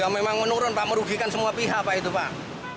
memang menurun pak merugikan semua pihak pak itu pak